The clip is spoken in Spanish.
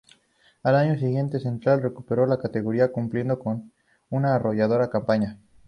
Al año siguiente Central recuperó la categoría, cumpliendo una arrolladora campaña.